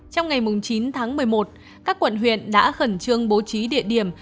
trong ngày chín tháng một mươi một các quận huyện đã khẩn trương bố trí địa điểm